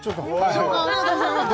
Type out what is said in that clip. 長官ありがとうございます